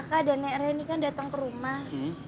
tadi raka dan nek reni kan dateng ke rumah